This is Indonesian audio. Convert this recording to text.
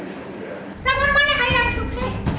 lalu mana yang sukses